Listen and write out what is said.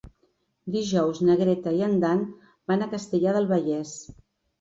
Dijous na Greta i en Dan van a Castellar del Vallès.